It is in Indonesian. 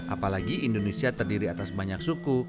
apalagi indonesia terdiri atas banyak suku